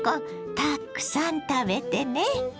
たくさん食べてね。